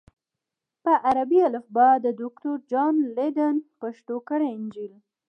په عربي الفبا د دوکتور جان لیدن پښتو کړی انجیل